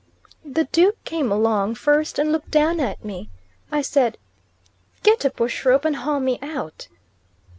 The Duke came along first, and looked down at me. I said, "Get a bush rope, and haul me out."